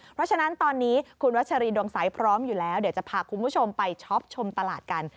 เพราะฉะนั้นตอนนี้คุณวัชรีดวงใสพร้อมอยู่แล้วเดี๋ยวจะพาคุณผู้ชมไปช็อปชมตลาดกัน